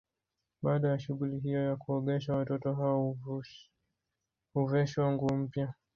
Baada ya shughuli hiyo ya kuogeshwa watoto hao huveshwa nguo mpya